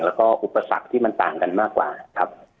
แล้วก็อุปสรรคที่มันต่างกันมากกว่าครับ